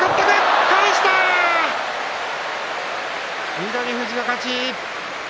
翠富士の勝ち。